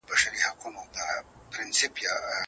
ایا ستا حافظه د تاریخي نېټو په ساتلو کي ښه ده؟